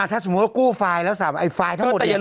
ถ้าสมมุติกู้ไฟล์เท่าที่